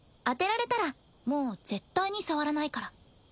当てられたらもう絶対に触らないから。